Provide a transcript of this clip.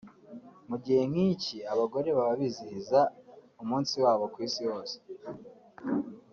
Mu gihe nk’iki abagore baba bizihiza umunsi wabo ku Isi yose